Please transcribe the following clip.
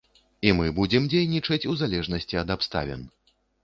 І мы будзем дзейнічаць у залежнасці ад абставін.